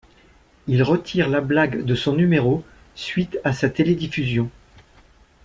Il retire la blague de son numéro suite à sa télédiffusion.